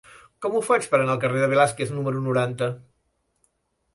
Com ho faig per anar al carrer de Velázquez número noranta?